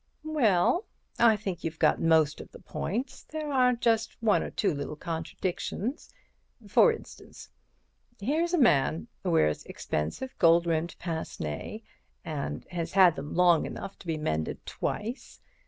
"Well, I think you've got most of the points. There are just one or two little contradictions. For instance, here's a man wears expensive gold rimmed pince nez and has had them long enough to be mended twice.